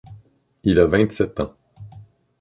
Il a vingt-sept ans.